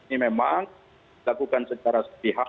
ini memang dilakukan secara sepihak